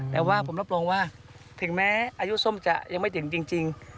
แต่ว่าผมรับรองว่าถึงแม้อายุส้มจะยังไม่ถึงจริง